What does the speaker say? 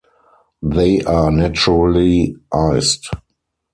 They are naturally iced.